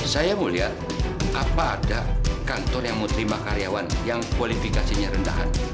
saya mau lihat apa ada kantor yang mau terima karyawan yang kualifikasinya rendah